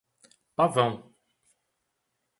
Pavão